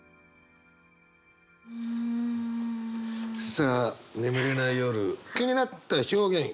さあ眠れない夜気になった表現共感ポイント。